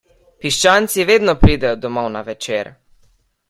Piščanci vedno pridejo domov na večer.